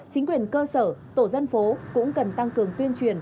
chính quyền cơ sở tổ dân phố cũng cần tăng cường tuyên truyền